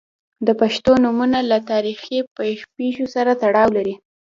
• د پښتو نومونه له تاریخي پیښو سره تړاو لري.